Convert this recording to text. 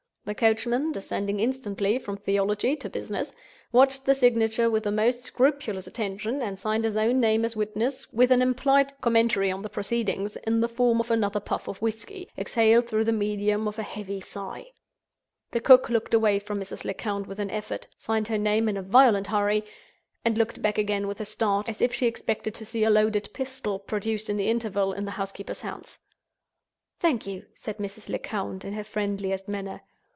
The coachman (descending instantly from Theology to Business) watched the signature with the most scrupulous attention; and signed his own name as witness, with an implied commentary on the proceeding, in the form of another puff of whisky, exhaled through the medium of a heavy sigh. The cook looked away from Mrs. Lecount with an effort—signed her name in a violent hurry—and looked back again with a start, as if she expected to see a loaded pistol (produced in the interval) in the housekeeper's hands. "Thank you," said Mrs. Lecount, in her friendliest manner.